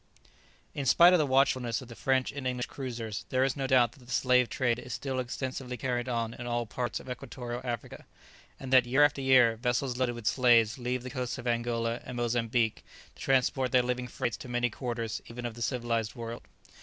In spite of the watchfulness of the French and English cruisers, there is no doubt that the slave trade is still extensively carried on in all parts of equatorial Africa, and that year after year vessels loaded with slaves leave the coasts of Angola and Mozambique to transport their living freight to many quarters even of the civilized world.